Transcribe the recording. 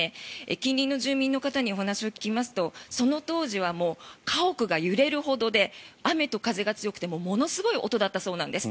近隣の住民の方にお話を聞きますとその当時は家屋が揺れるほどで雨と風が強くてものすごい音だったそうです。